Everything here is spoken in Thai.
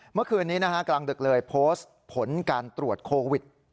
เมื่อคืนนี้กำลังเดิกเลยโพสต์ผลการตรวจโควิด๑๙